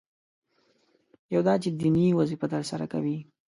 یو دا چې دیني وظیفه ترسره کوي.